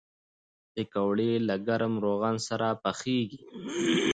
پکورې له ګرم روغن سره پخېږي